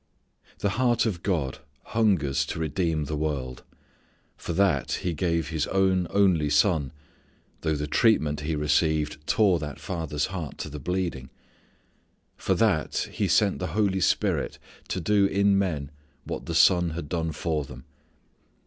The heart of God hungers to redeem the world. For that He gave His own, only Son though the treatment He received tore that father's heart to the bleeding. For that He sent the Holy Spirit to do in men what the Son had done for them.